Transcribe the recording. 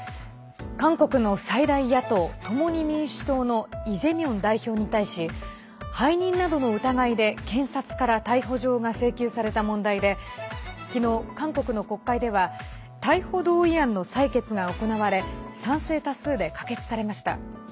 韓国の最大野党・共に民主党のイ・ジェミョン代表に対し背任などの疑いで、検察から逮捕状が請求された問題で昨日、韓国の国会では逮捕同意案の採決が行われ賛成多数で可決されました。